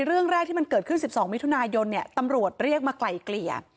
เรื่องแรกที่มันเกิดขึ้น๑๒มิถุนายนเนี่ยตำรวจเรียกมาไกลเกลี่ย